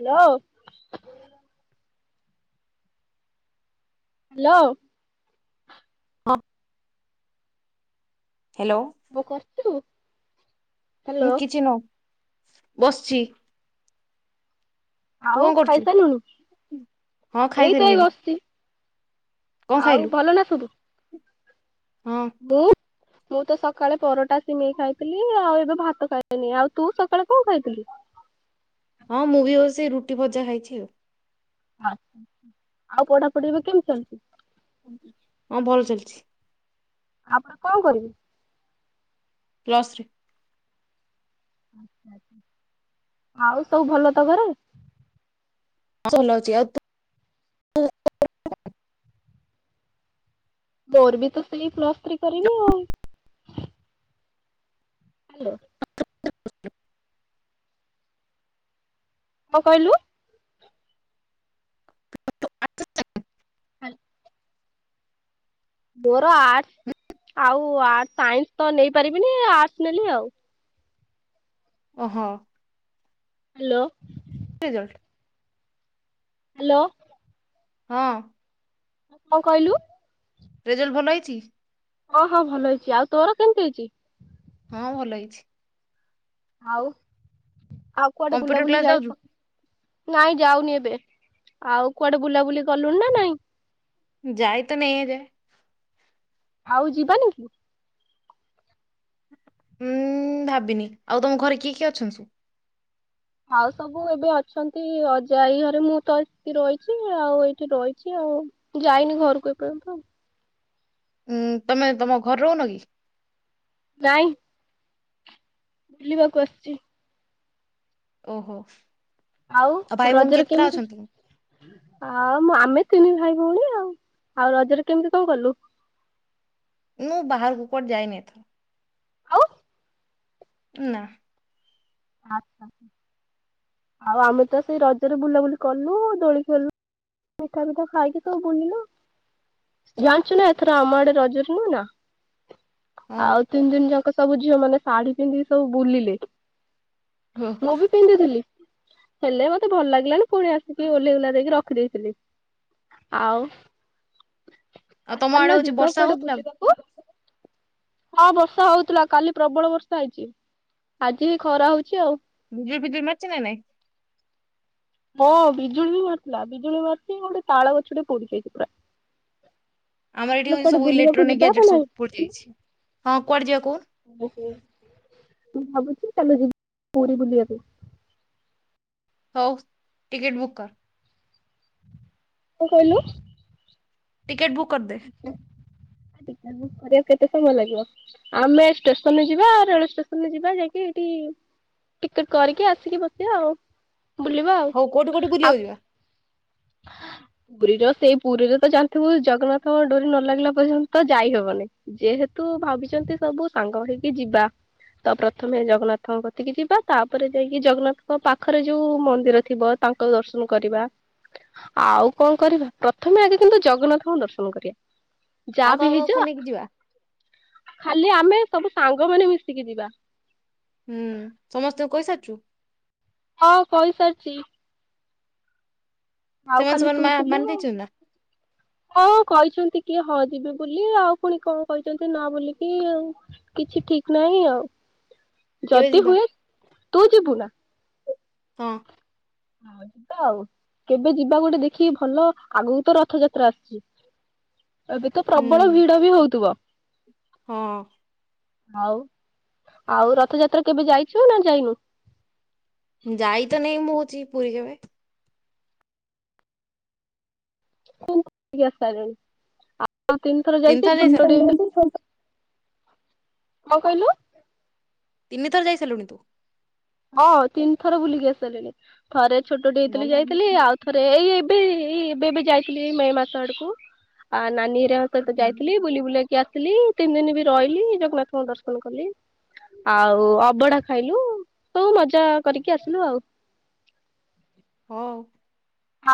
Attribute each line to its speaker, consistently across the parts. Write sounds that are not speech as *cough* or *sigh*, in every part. Speaker 1: ହ୍ୟେ ଲୋ। Hello.
Speaker 2: ହଁ। Hello
Speaker 1: କଣ କରୁଚୁ?
Speaker 2: କିଛି ନୁହଁ। ବସିଛି। ତୁ
Speaker 1: ଆଉ
Speaker 2: କଣ କରୁଛୁ?
Speaker 1: ଖାଇସାଲୁନି
Speaker 2: ହଁ
Speaker 1: ଏଇ ତ ଏଇ
Speaker 2: ଖାଇସାରିଲିଣି
Speaker 1: ବସିଛି।
Speaker 2: କଣ
Speaker 1: ଆଉ
Speaker 2: ଖାଇଲୁ
Speaker 1: ଭଲ ନା ସବୁ।
Speaker 2: ହଁ
Speaker 1: ବୋଉଁ। ମୁଁ ତ ସକାଳେ ପରଟା ସିମେଇ ଖାଇଥିଲି ଆଉ ଏବେ ଭାତ ଖାଇଲିଣି ଆଉ ତୁ ସକାଳେ କଣ ଖାଇଥିଲୁ?
Speaker 2: ହଁ ମୁଁ ବିସି ସେ ରୁଟି ଭଜା ଖାଇଛି ଆଉ।
Speaker 1: ଆଛା ଆଉ ପଢ଼ା ପଢ଼ି ଏବେ କେମିତି ଚାଲିଛି?
Speaker 2: ହଁ ଭଲ ଚାଲିଛି।
Speaker 1: ଆ ପରେ କଣ କରିବେ?
Speaker 2: Plus three.
Speaker 1: ଆଉ ସବୁ ଭଲ ତ ଘରେ।
Speaker 2: ଚଲାଉଛି ଆଉ ତୁ *unintelligible*
Speaker 1: ମୋର ବି ତ ସେଇ ପ୍ଲସ୍ ଥ୍ରୀ କରିବି ଆଉ। ହାଲୋ। କଣ କହିଲୁ? ହାଲୋ। ମୋର ଆର୍ଟସ୍ ଆଉ ଆ ସାଇନ୍ସ୍ ତ ନେଇପାରିବିନି ଆଟସ୍ ନେଲି ଆଉ।
Speaker 2: ଓହୋ।
Speaker 1: ହାଲୋ।
Speaker 2: କି ରେଜଲଟ୍?
Speaker 1: ହାଲୋ।
Speaker 2: ହଁ।
Speaker 1: କଣ କହିଲୁ?
Speaker 2: ରେଜଲ୍ଟ୍ ଭଲ ହେଇଛି।
Speaker 1: ହଁ ହଁ ଭଲ ହେଇଛି ଆଉ ତୋର କେମିତି ହେଇଛି?
Speaker 2: ହଁ ଭଲ ହେଇଛି।
Speaker 1: ଆଉ ଆଉ କୁଆଡେ
Speaker 2: କମ୍ପ୍ୟୁଟର
Speaker 1: ବୁଲାବୁଲି
Speaker 2: କ୍ଲାସ
Speaker 1: ଯାଇ
Speaker 2: ଯାଉଛୁ
Speaker 1: ନାଇଁ ଯାଉନି ଏବେ ଆଉ କୁଆଡେ ବୁଲାବୁଲି କଲୁଣି ନା ନାଇଁ।
Speaker 2: ଯାଇ ତ ନେଇ ଯାଏ
Speaker 1: ଆଉ ଯିବାନି?
Speaker 2: ଉୁଁ ଭାବିନି ଆଉ ତମ ଘରେ କିଏ କିଏ ଅଛନ୍ତି ସବୁ?
Speaker 1: ଆଉ ସବୁ ଏବେ ଅଛନ୍ତି ଅଜା ଆଇ ଘରେ ମୁଁ ତ ଆସିକି ରହିଛି ଆଉ ଏଇଠି ରହିଛି ଆଉ ଯାଇନି ଘରକୁ ଏପର୍ଯ୍ୟନ୍ତ ଆଉ।
Speaker 2: ଉଁ ତମେ ତମ ଘରେ ରହୁନ କି?
Speaker 1: ନାଇଁ। ବୁଲିବାକୁ ଆସିଛି।
Speaker 2: ଓହୋ।
Speaker 1: ଆଉ
Speaker 2: ଭାଇ ଭଉଣୀ
Speaker 1: ରଜରେ
Speaker 2: କେତେଟା
Speaker 1: କେମିତି
Speaker 2: ଅଛନ୍ତି?
Speaker 1: ଆଉ ମୁଁ ଆମେ ତିନି ଭାଇ। ଭଉଣି ଆଉ ଆଉ ରଜରେ କେମିତି କଣ କଲୁ?
Speaker 2: ମୁଁ ବାହାରକୁ କୁଆଡେ ଯାଇନି ଏଥର।
Speaker 1: ଆଉ
Speaker 2: ନା।
Speaker 1: ଆଚ୍ଛା ଆଉ ଆମେ ତ ସେଇ ରଜରେ ବୁଲାବୁଲି କଲୁ ଦୋଳିି ଖେଳିଲୁ ମିଠା ମିଠା ଖାଇକି ସବୁ ବୁଲିଲୁ ଜାଣିଛୁ ନା ଏଥର ଆମ ଆଡେ ରଜରେ ନୁହ ନା।
Speaker 2: ହଁ
Speaker 1: ଆଉ ତିନି ଦିନ ଯାଙ୍କ ସବୁ ଝିଅ ମାନେ ଶାଢୀ ପିନ୍ଧିକି ସବୁ ବୁଲିଲେ।
Speaker 2: ହଉ
Speaker 1: ମୁଁ ବି ପିନ୍ଧିଥିଲି। ହେଲେ ମତେ ଭଲ ଲାଗିଲାନି ପୁଣି ଆସିକି ଓହ୍ଲେଇ ଓହ୍ଲା ଦେଇକି ରଖିଦେଇଥିଲି ଆଉ
Speaker 2: ଆଉ ତମ ଆଡେ
Speaker 1: ଚାଲୁନ
Speaker 2: ହଉଛି
Speaker 1: ଯିବା
Speaker 2: ବର୍ଷା
Speaker 1: କୁଆଡେ
Speaker 2: ହଉଥିଲା?
Speaker 1: ବୁଲିବାକୁ ହଁ ବର୍ଷା ହଉଥିଲା କାଲି ପ୍ରବଳ ବର୍ଷା ହେଇଛି ଆଜି ବି ଖରା ହଉ ଛି ଆଉ।
Speaker 2: ବିଜୁଳି ଫିଜୁଳି ମାରୁଛି ନା ନାଇଁ।
Speaker 1: ହଁ ବିଜୁଳି ବି ମାରୁିଥିଲା ବିଜୁଳି ମାରିଛି ଗୋଟେ ତାଳ ଗଛ ଟେ ପୋଡିଯାଇଛି ପୁରା। ଆଉ
Speaker 2: ଆମର ଏଠି
Speaker 1: ତାହେଲେ
Speaker 2: ହଉଛି
Speaker 1: କୁଆଡେ
Speaker 2: ସବୁ
Speaker 1: ବୁଲିବାକୁ
Speaker 2: ଇଲେକ୍ଟ୍ରୋନିକ୍
Speaker 1: ଯିବା ନା
Speaker 2: ଗ୍ୟାଜେଟ ସବୁ
Speaker 1: ନାଇଁ
Speaker 2: ପୋଡିଯାଇଛି ହଁ କୁଆଡେ ଯିବା କହୁନୁ?
Speaker 1: ମୁଁ ଭାବୁଛି ଚାଲ ଯିବା ପୁରୀ ବୁଲିବାକୁ।
Speaker 2: ହଉ ଟିକିଟ ବୁକ୍ କର।
Speaker 1: କଣ କହିଲୁ?
Speaker 2: ଟିକେଟ ବୁକ୍ କରିଦେ।
Speaker 1: କରିବାକୁ କେତେ ସମୟ ଲାଗିବ ଆମେ ଷ୍ଟେସନରେ ଯିବା ରେଳ ଷ୍ଟେସନ ଯିବା ଯାଇକି ହେଠି ଟିକେଟ କରିକି ଆସିକି ବସିବା ଆଉ। ବୁଲିବା ଆଉ
Speaker 2: ହଉ କୋଉଠି କୋଉଠି
Speaker 1: ଆଉ
Speaker 2: ବୁଲିିବାଉ ଯିବା।
Speaker 1: ପୁରୀର ସେଇ ପୁରୀରେ ତ ଜାଣିଥିବୁ ଜଗନ୍ନାଥଙ୍କ ଡୋରି ନ ଲାଗିଲା ପର୍ଯ୍ୟନ୍ତ ଯାଇହବନି। ଯେହେତୁ ଭାବିଛନ୍ତି ସବୁ ସାଙ୍ଗ ହେଇକି ଯିବା ତ ପ୍ରଥମେ ଜଗନ୍ନାଥଙ୍କ ତିକି ଯିବା ତାପରେ ଯାଇକି ଜଗନ୍ନାଥଙ୍କ ପାଖରେ ଯୋଉ ମନ୍ଦିର ଥିବ ତାଙ୍କ ଦର୍ଶନ କରିବା। ଆଉ କଣ କରିବା ପ୍ରଥମେ ଆଗେ କିନ୍ତୁ ଜଗନ୍ନାଥଙ୍କୁ ଦର୍ଶନ କରିବା।
Speaker 2: ଆଉ
Speaker 1: ଯାହା ବି
Speaker 2: କାହା କାହାକୁ
Speaker 1: ହେଇଯ
Speaker 2: ନେଇକି ଯିବା
Speaker 1: ଖାଲି ଆମେ ସବୁ ସାଙ୍ଗ ମାନେ ମିଶିକି ଯିବା।
Speaker 2: ହୁଁ ସମସ୍ତଙ୍କୁ କହିସାରିଛୁ।
Speaker 1: ହଁ କହିଇସାରିଛି। ଆଉ
Speaker 2: ସେମାନେ
Speaker 1: ଖାଲି
Speaker 2: ସେମାନେ
Speaker 1: ତୁ
Speaker 2: ମା
Speaker 1: ଥିଲୁ
Speaker 2: ମାନି ଦେଇଛନ୍ତି ନା
Speaker 1: ହଁ କହିଛନ୍ତି। କିଏ ହଯିବେ ବୋଲି ଆଉ ପୁଣି କଣ କହିଛନ୍ତି ନ ବୋଲିକି ଆ କିଛି ଠିକ ନାହିଁ ଆଉ।
Speaker 2: କେବେ
Speaker 1: ଯଦି
Speaker 2: ଯିବା
Speaker 1: ହୁଏ ତୁ ଯିବୁନା।
Speaker 2: ହ *unintelligible*
Speaker 1: ଯିବା ଆଉ କେବେ ଯିବା ଗୋଟେ ଦେଖିକି ଭଲ ଆଗକୁ ତ ରଥଯାତ୍ରା ଆସୁଛି। ଏବେ ତ ପ୍ରବଳ
Speaker 2: ହୁଁ
Speaker 1: ଭିଡ ବି ହଉଥିବ।
Speaker 2: ହଁ।
Speaker 1: ଆଉ ଆଉ ରଥଯାତ୍ରା କେବେ ଯାଇଛୁ ନା ଯାଇନୁ।
Speaker 2: ଯାଇ ତ ନାଇଁ ମୁଁ ଯି ପୁରୀ କେବେ।
Speaker 1: କ *unintelligible*
Speaker 2: ତିନିଥର ଯାଇ ସାରିଲୁଣି।
Speaker 1: କଣ କହିଲୁ
Speaker 2: ତିନିଥର ଯାଇସାରିଲୁଣି ତୁ?
Speaker 1: ହଁ ତିନି ଥର ବୁଲିକି ଆସାରିଲିଣି। ଥରେ ଛୋଟ ଟେ ହେଇଥିଲି
Speaker 2: ଭଲ ହୁଁ,
Speaker 1: ଯାଇଥିଲି ଆଉ ଥରେ ଏଇ ଏଇ ବେବି ଯାଇଥିଲି ମେ ମାସ ଆଡକୁ ଆ ନାନୀ ଯାହା ସହିତ ଯାଇଥିଲି ବୁ ବୁଲକ ଆସି ଥିଲ ତିନି ଦିନ ବି ରହିଲି ଜଗନ୍ନାଥଙ୍କ ଦର୍ଶନ କଲି ଆଉ ଅବଢା ଖାଇଲୁ। ହଉ ମଜା କରିକି ଆସିଲୁ ଆଉ।
Speaker 2: ହଉ।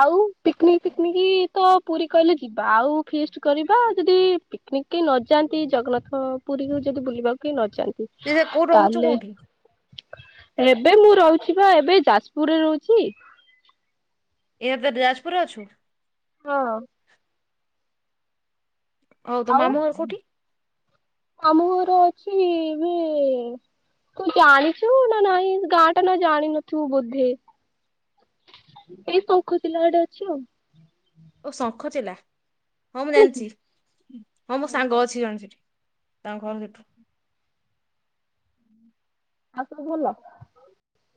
Speaker 1: ଆଉ ପିକନିକ ଫିକନିକ ତ ପୁରୀ କହିଲେ ଯିବା ଆଉ ଫିଷ୍ଟ କରିବା ଯଦି ପିକନିକ କେହି ନଯାଆନ୍ତି ଜଗନ୍ନାଥ ପୁରୀକୁ ଯଦି ବୁଲିବାକୁ କେହି ନଯାଆନ୍ତି।
Speaker 2: ଏହେ କୋଉଠ ରହୁଛ କୋଉଠି?
Speaker 1: ଏବେ ମୁଁ ରହୁଛି ବା ଏବେ ଯାଜପୁରରେ ରହୁଛି।
Speaker 2: ଏହା ତରେ ଯାଜପୁରରେ ଅଛୁ।
Speaker 1: ହଁ।
Speaker 2: ହଉ ତ ମାମୁଁ ଘର କୋଠି?
Speaker 1: ଆମ ଘର ଅଛି ଏବେ ତୁ ଜାଣିଛୁ ନା ନାଇଁ ଗାଁ ଟା ନା ଜାଣିିନଥିବୁ ବୋଧେ ଏଇ ଶଙ୍ଖ ଚିଲ ଆଡ଼େ ଅଛି ଆଉ।
Speaker 2: ଓ ଶଙ୍ଖଚିଲା। ହଁ ମୁଁ
Speaker 1: ଜାଣିଛୁ।
Speaker 2: ଜାଣିଛି ହଁ ମୋ ସାଙ୍ଗ
Speaker 1: ଓହୋ।
Speaker 2: ଅଛି ଜଣେ ସେଠି ତାଙ୍କ ଘର ସେଠୁ।
Speaker 1: ଆଉ ସବୁ ଭଲ।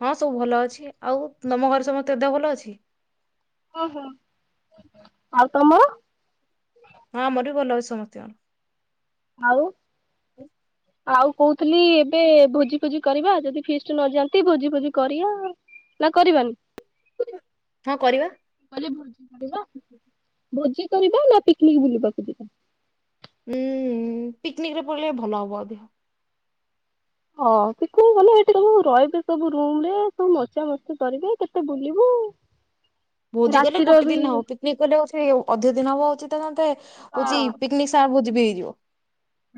Speaker 2: ହଁ ସବୁ ଭଲ ଅଛି ଆଉ ତମ ଘର ସମସ୍ତେ ଦେହ ଭଲ ଅଛି?
Speaker 1: ଅ ହୋ ଆଉ ତମର।
Speaker 2: ହଁ ଆମର ବି ଭଲ ଅଛି ସମସ୍ତିଙ୍କର।
Speaker 1: ଆଉ, ଆଉ କୋଉ ଖଲି ଏବେ ଭୋଜି ଫୋଜି କରିବା ଯଦି ଫିଷ୍ଟ ନ ଯାଆନ୍ତି ଭୋଜି ଫୋଜି କରିଆ। ନାଁ କରିବାନି?
Speaker 2: ହଁ କରିବା
Speaker 1: କହିଲି ଭୋଜି କରିବା? ଭୋଜି କରିବା ନା ପିକ୍ ନିକ୍ ବୁଲିବାକୁ ଯିବା?
Speaker 2: ଉଁ ଉଁ ପିକ୍ ନିକ୍ ରେ ପଳେଇଲେ ଭଲ ହବ ଅଧେ।
Speaker 1: ହଁ ପିକ୍ ନିକ୍ ଗଲେ ସବୁ ରହିବେ ସବୁ ରୁଟି ମୁୁରେ ସବୁ ମଜା ମସ୍ କରିବେ କେତେ ବୁଲିବୁ
Speaker 2: ଭୋଜି କଲେ
Speaker 1: ରାତିର
Speaker 2: ଗୋଟେ
Speaker 1: ବି
Speaker 2: ଦିନ ହବ। ପିକନିକ୍ କଲେ ଅଚ୍ ହେ ଅଧିକ ଦିନ ହବ ଅଚିତ ତନ୍ତେ। ହଉଛି
Speaker 1: ହଁ
Speaker 2: ପିକନିକ ସାର୍ ବହୁ ବି ହେଇଯିବ।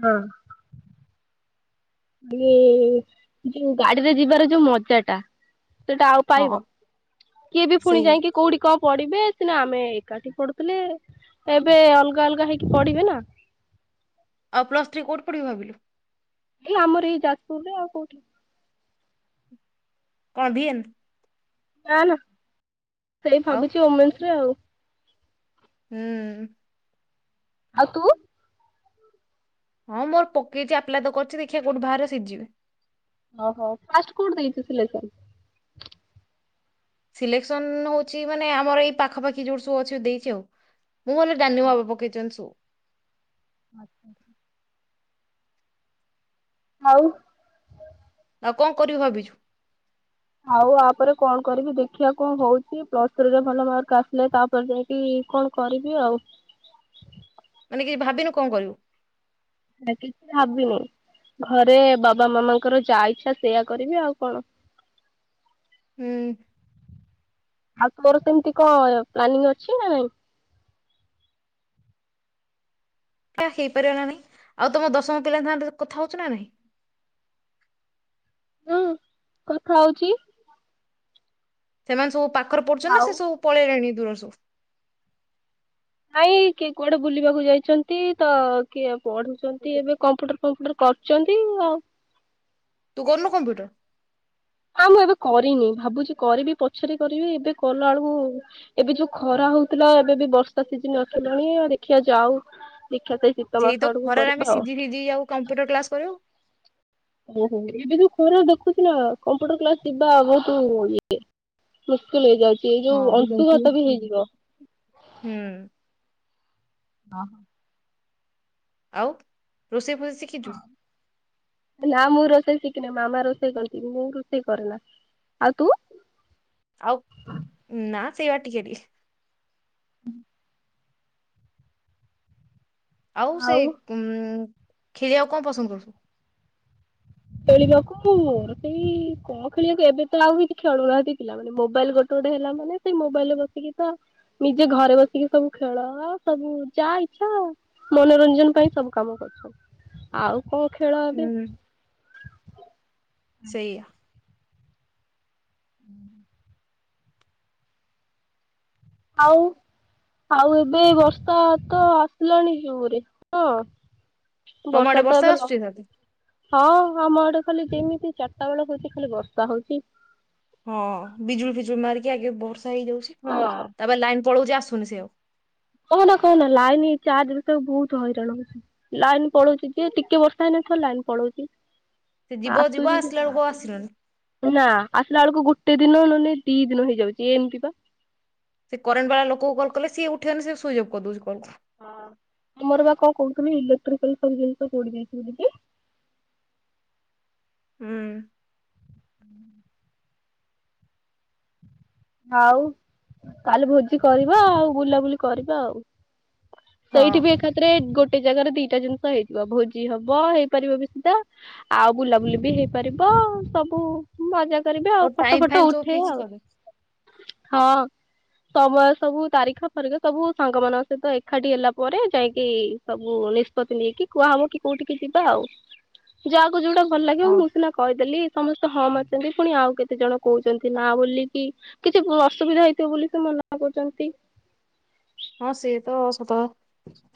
Speaker 1: ହଁ। ଏ-ଏ -ଏ -ଯୋଉ ଗାଡିରେ ଯିବାର ଯୋଉ ମଜା ଟା? ସେଟା ଆଉ
Speaker 2: ହଁ
Speaker 1: ପାଇବ। କିଏବି ଫୁଣି
Speaker 2: ସେଇ
Speaker 1: ଯାଇକି କୋଉଠି କଣ ପଢିବେ ସିନା ଆମେ ଏକାଠି ପଢୁଥିଲେ ଏବେ ଅଲଗା ଅଲଗା ହେଇକି ପଢିବେ ନା।
Speaker 2: ଆଉ ପ୍ଲସ୍ ଥ୍ରୀ କୋଉଠି ପଢିବ ଭାବିଲୁ?
Speaker 1: ଏ ଆମର ଏଇ ଯାଜପୁରରେ ଆଉ କୋଉଠି?
Speaker 2: କଣ ଭିଏନ୍?
Speaker 1: ନା ନା। ସେଇ
Speaker 2: ଆଉ
Speaker 1: ଭାବୁଛି ଓମେନ୍ସ ରେ ଆଉ।
Speaker 2: ହୁଁ।
Speaker 1: ଆଉ ତୁ?
Speaker 2: ହଁ ମୋର ପକେଇଛି ଆପ୍ଲାଏ ତ କରିଛି ଦେଖିବା କୋଉଠି ବାହାରେ ସେଇତଯିବି।
Speaker 1: ଓହୋ ଫାଷ୍ଟ କୋଉଠି ଦେଇଛି ସିଲେକ୍ସନ?
Speaker 2: ସିଲେକ୍ସନ ହଉଛି ମାନେ ଆମର ଏଇ ପାଖାପାଖି ଯୋଉର ସବୁ ଅଛି ଦେଇଛି ଆଉ ମୁଁ ଗଲେ ଡାନୁ ବାବା ପକେଇଛନ୍ତି ସବୁ
Speaker 1: ଆଚ୍ଛା ହଉ
Speaker 2: ଆଉ କଣ କରିବୁ ଭାବିଛୁ?
Speaker 1: ଆଉ ଆପରେ କଣ କରିବି ଦେଖିବା କଣ ହଉଛି ପ୍ଲସ ଥ୍ରୀରେ ଭଲ ମାର୍କ ଆସିଲେ ତାପରେ ଯାଇକି କଣ କରିବି ଆଉ
Speaker 2: ମାନେ କିଛି ଭାବିନୁ କଣ କରିବୁ?
Speaker 1: କିଛି ଭାବିନି ଘରେ ବାବା ମାମାଙ୍କର ଯାହା ଇଛା ସେଇଆ କରିବି ଆଉ କଣ
Speaker 2: ହୁଁ।
Speaker 1: ଆଉ ତୋର ସେମତି କଣ ପ୍ଲାନିଂ ଅଛି ନା ନାଇଁ?
Speaker 2: ହେଇପାରିବ ନା ନାଇଁ ଆଉ ତମ ଦଶମ ପିଲାଙ୍କ କଥା ହଉଛ ନା ନାଇଁ
Speaker 1: ହୁଁ କଥା ହଉଛି
Speaker 2: ସେମାନେ ସବୁ ପାଖ ପାଖରେ ପଡୁଚ ନା
Speaker 1: ଆଉ
Speaker 2: ସେ ସବୁ ପଳେଇଲେଣି ଦୂରସ
Speaker 1: ନାଇ କି କୁଆଡେ ବୁଲିବାକୁ ଯାଇଛନ୍ତି ତ ପଢୁଛନ୍ତି ଏବେ କମ୍ପ୍ୟୁଟର ଫମ୍ପୁଟର ଛନ୍ତି ଆଉ।
Speaker 2: ତୁ କରୁନୁ କମ୍ପ୍ୟୁଟର?
Speaker 1: ହଁ ମୁଁ ଏବେ କରିନି ଭାବୁଛି କରିବି ପଛରେ କରିବି ଏବେ କଲା ବେଳକୁ ଏବେ ଯୋଉ ଖରା ହଉଥିଲା ଏବେ ବି ବର୍ଷା ସିଜିନ ଆସିଲାଣି ଆ ଦେଖିବା ଯାଉ ଦେଖିବା ଶୀତ
Speaker 2: ସେଇ
Speaker 1: ମାସ
Speaker 2: ତ
Speaker 1: ଆଡକୁ
Speaker 2: ଖରାରେ
Speaker 1: କରିବା
Speaker 2: ଆମେ
Speaker 1: ଆଉ।
Speaker 2: ସିଝି ସିଝି ଆଉ କମ୍ପ୍ୟୁଟର କ୍ଲାସ କରିବୁ
Speaker 1: ଓହୋ ଏବେ ଯୋଉ ଖରା ଦେଖୁଚୁ ନା କମ୍ପୁଟର କ୍ଲାସ ଯିବା ବହୁତ ଇ ମୁସ୍କିଲ ହେଇଯାଉଛି। ଏଇ ଯୋଉ
Speaker 2: ହଁ ହୁଁ।
Speaker 1: ଅଂଶୁଘାତ ବି ହେଇଯିବ। ହ ହୋ।
Speaker 2: ଆଉ ରୋଷେଇ ଫୋଷେଇ ଶିଖିଛୁ
Speaker 1: ହଁ ନା ମୁ ରୋଷେଇ ର କିନା ମାମା ରୋଷେଇ କରନ୍ତି ମୁଁ ରୋଷେଇ କରେନା। ଆଉ ତୁ?
Speaker 2: ଆଉ ନା ସେଇ ବା ଟିକେ ଟିକେ
Speaker 1: ହୁଁ।
Speaker 2: ଆଉ ସେ ଉ କ୍ଷୀରି ଆଉ କଣ ପସନ୍ଦ କରୁ
Speaker 1: ଖେଳିବାକୁ ସେଇ କଣ ଖେଳିବାକୁ ଏବେ ତ ଆଉ କିଛି ଖେଳୁନାହାନ୍ତି ପିଲା ମାନେ ମୋବାଇଲ ଗୋଟେ ଗୋଟେ ହେଲା ମାନେ ସେଇ ମୋବାଇଲରେ ବସିକି ତ ନିଜେ ଘରେ ବସିକି ସବୁ ଖେଳ ସବୁ ଯା ଇଚ୍ଛା ମନୋରଞ୍ଜନ ପାଇଁ ସବୁ କାମ କରୁଛ ଆଉ ହ ଖେଳ ଏବେ
Speaker 2: ହୁଁ
Speaker 1: ଆଚ୍ଛା।
Speaker 2: ସେଇଆ
Speaker 1: ହୁଁ। ଆଉ ଆଉ ଏବେ ବର୍ଷା ତ ଆସିଲାଣିରେ ହଁ
Speaker 2: ତମ ଆଡେ
Speaker 1: ବର୍ଷା ତ ଏବେ
Speaker 2: ଆସୁଛି ତତେ?
Speaker 1: ହଁ ଆମ ଆଡେ ଖାଲି ଯେମିତି ଚାରିଟା ବେଳ ହଉଛି ଖାଲି ବର୍ଷା ହଉଛି।
Speaker 2: ହଁ ବିଜୁଳି ଫିଜୁ ମାରକି ଆଗ ବହୁତ ଇଯାଉଛି
Speaker 1: ହଁ
Speaker 2: ତାପରେ ଲାଇନ ପଳଉଛି। ଶୁଣ ସେଉ
Speaker 1: କହ ନା କହନା ଲାଇନ ଏଇ ଚାର୍ ବଷକୁ ବହୁତ ହଇରାଣ ହଉଛି ଲାଇନ ପଳଉଛି ଯିଏ ଟିକେ ବର୍ଷା ହେଇନଥଉ ଲାଇନ ପଳଉଛି।
Speaker 2: ସେ ଯିବ
Speaker 1: ଆସୁ
Speaker 2: ଯିବ ଆସିଲା ବେଳକୁ ଆଉ ଆସିଲାନି।
Speaker 1: ନା ଆସିଲା ବେଳକୁ ଗୋଟେ ଦିନ ନୁହନେଁ ଦି ଦିନ ହେଇଯାଉଛି ଏ ଏମିତି ବା
Speaker 2: ସେ କରେଣ୍ଟ ବାଲା ଲୋକ କଲ କଲେ ସିଏ ଉଠେଇଆନି ସେ ସୁଇଜ ଅପ୍ କରି ଦଉଛି କଲ।
Speaker 1: ହଁ ଆମର ବା କ କହୁଥିଲି ଇଲେଟାଲବ ଜିନିଷୋ ଯାଇଛି ବ
Speaker 2: ହୁଁ।
Speaker 1: ଆଉ କାଲି ଭୋଜି କରିବା ଆଉ ବୁଲାବୁଲି କରିବା ଆଉ। ସେଇଠି
Speaker 2: ହଁ
Speaker 1: ବି ଏକାତ୍ରରେ ଗୋଟେ ଗୋଟେ ଜାଗାରେ ଦିଟା ଜିନିଷ ହେଇଯିବ ଭୋଜି ହବ ହେଇପାରିବ ବି ସୁିଧା ଆଉ ବୁଲାବୁଲି ବି ହେଇପାରିବ ସବୁ ମଜା। କରିବେ
Speaker 2: ତ
Speaker 1: ଆଉ ଫଟୋ
Speaker 2: ଟାଇମ
Speaker 1: ଫଟ
Speaker 2: ଫାଇମ ସବୁ ଫିକ୍ସ
Speaker 1: ଉଠେଇବେ ଆଉ।
Speaker 2: କରିଦେ
Speaker 1: ହଁ ସମୟ ସବୁ ତାରିଖ ପରାରିଖ ସବୁ ସାଙ୍ଗ ମାନଙ୍କ ସହିତ ଏକାଠି ହେଲା ପରେ ଯାଇକି ସବୁ ନିଷ୍ପତ୍ତି ନେଇକି କୁହା ହବ କି କୋଉଠିକି ଯିବା ଆଉ ଯାହା ଯୋଉଟା ଭଲ ଲାଗିବ
Speaker 2: ହଁ
Speaker 1: ମୁଁ ସିନା କହିଦେଲି ସମସ୍ତେ ହମ ଅଛନ୍ତି ପୁଣି ଆଉ କେତେ ଜଣ କହୁଛନ୍ତି ନା ବୋଲି। କି କିଛି ଅସୁବିଧା ହେଇଥିବ ବୋଲି ସେ ମନା କରୁଛନ୍ତି।
Speaker 2: ହଁ ସିଏ ତ ସତ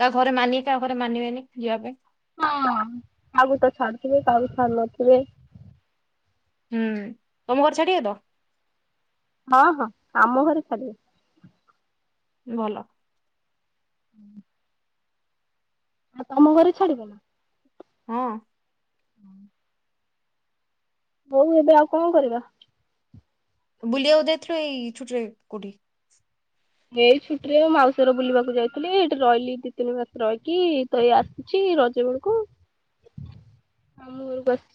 Speaker 2: ତା ଘରେ ମାନିବେ କାହା ଘରେ ମାନିବେନି ଯିବା ପାଇଁ
Speaker 1: ହ କାଗୁ ତ ଛାଡୁ ଥିବେ କାହକୁ ଛାଡ଼ ନଥିବେ।
Speaker 2: ହୁଁ ତମ ଘର ଛାଡିିବେ ତ।
Speaker 1: ହଁ ହଁ ଆମ ଘରେ ଛାଡିବେ।
Speaker 2: ଭଲ।
Speaker 1: ହୁଁ। ଆଉ ତମ ଘରେ ଛାଡିବ ନା।
Speaker 2: ହଁ।
Speaker 1: ହୁଁ। ହୋଉ ଏବେ ଆଉ କଣ କରିବା?
Speaker 2: ବୁଲି ଦେଇଥିଲ ଏଇ ୁଟରେ କୁଟି
Speaker 1: ଏଇ ଛୁଟିରେ ମାଉସୀର ବୁଲିବାକୁ ଯାଇଥିଲି ଏଇଠି ରହିଲି ଦି ତିନି ମାସ ରହିକି ତ ଏଇ ଆସୁଚ ରଜ ବେଳକୁ ଆ ମୁଁ ଘରକୁ ଆସି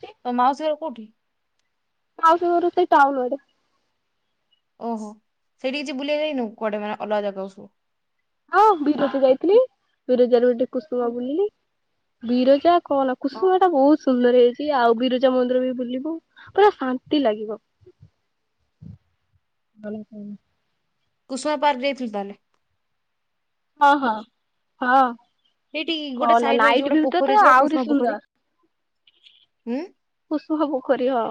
Speaker 2: କଠ
Speaker 1: ହଉ ଦର ତେ ଟାଉ ନ ଗଡେ
Speaker 2: ଓହୋ ସେଇଠି କିଛି ବୁଲେଇ ଯାଇନୁ କୁଆଡେ ମାନେ ଅଲଗା ଜାଗା ସବୁ।
Speaker 1: ହଁ ବିରଜ ଯାଇଥିଲି ବିରଜାରୁ ଗୋ କୁଷ୍ୁମା ବୁଲିଲି। ବିରଜା କହଲା
Speaker 2: ହଁ
Speaker 1: କୁସୁମ ଟା ବହୁତ ସୁନ୍ଦର ହେଇଛି। ସଏ ଆଉ ବିରଜା ମନ୍ଦିର ବି ବୁଲିବୁ ପୁରା ଶାନ୍ତି ଲାଗିବ ଭ କ।
Speaker 2: କୁସୁମା ପାର୍ ଦେଇ ଫଲତା ନା
Speaker 1: ହଁ ହଁ ହଁ।
Speaker 2: ସେଇଠି ଗୋଟେ
Speaker 1: କହନା
Speaker 2: ସାଇଡ ଅଛି
Speaker 1: ନାଇଟ୍
Speaker 2: ଗୋଟେ
Speaker 1: ଭିଉ ଟା
Speaker 2: ପୋଖରୀ
Speaker 1: ତ
Speaker 2: ଅଛି ବା
Speaker 1: ଆହୁରି
Speaker 2: ପୁଷ୍ଣ
Speaker 1: ସୁନ୍ଦର
Speaker 2: ପୋଖରୀ ହୁଁ।
Speaker 1: ପୁସ ପୋଖରୀ ହ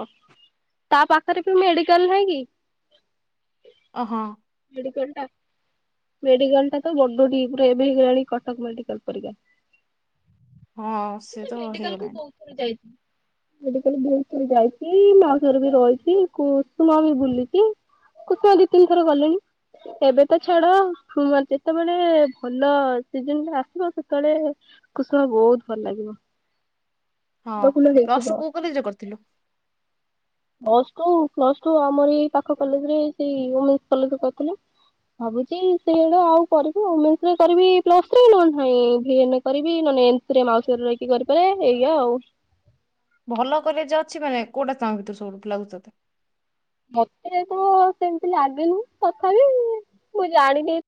Speaker 1: ତା ପାଖରେ ବି ମେଡିକାଲ ନାହିଁ କି।
Speaker 2: ଅହୋ।
Speaker 1: ମେଡିକାଲ ଟା ତ ବଡ ଟିଏ ଏବେ ହେଇଗଲାଣି କଟକ ମେଡିକାଲ ପରିକା।
Speaker 2: ହଁ ସେ ତ ହେଇଗଲାଣି।
Speaker 1: ସେ ବହୁତ ଥର ଯାଇଛି ମା ଘର ବି ରହିଛି କୁସୁମା ବି ବୁଲିଛି କୁସୁମା ଦି ତିନି ଥର ଗଲେଣି ଏବେ ତ ଛାଡ ଯେତେବେଳେ ଭଲ ସିଜନ ଆସିବ ସେତେବେଳେ କୁସୁମା ବହୁତ ଭଲ ଲାଗିବ।
Speaker 2: ହଁ
Speaker 1: ଫୁଲ ଫୁଲ
Speaker 2: ପ୍ଲସୁ
Speaker 1: ହେଇଥିବ।
Speaker 2: କୋଉ କଲେଜ ରେ କରିଥିଲୁ?
Speaker 1: ପ୍ଲସ୍ ଟୁ ପ୍ଲସ୍ ଟୁ ଆମରି ପାଖ କଲେଜ ରେ ସେଇ ଓମେନ୍ସ କଲେଜ ରେ କରିଥିଲି ଭାବୁଛି ସେଇଡ ଆଉ କରିବି ଓମେନସ୍ କରିବି ପ୍ଲସ ଥ୍ରି ନହେଲେ ନାଇ ଭେନ୍ ରେ କରିବି ଏମସି ନହେଲେ ମାଉସୀ ଘରେ ରହିକି କରିପାରେ ଏୟା ଆଉ।
Speaker 2: ଭଲ କଲେଜ ଅଛି ମାନେ କୋଉଟା ଚାହୁଁବ ତୁ ସବୁ ଲାଗୁଛି ତତେ।
Speaker 1: ମତେ ତ ସେମିତି ଲାଗିନି ତଥାପି ମୁଁ ଜାଣିଦି